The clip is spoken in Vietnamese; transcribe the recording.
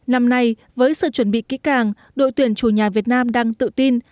năm nay với sự chuẩn bị kỹ càng đội tuyển chủ nhà việt nam đang tự tin